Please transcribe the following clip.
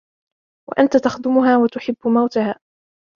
وَأَنْتَ تَخْدُمُهَا وَتُحِبُّ مَوْتَهَا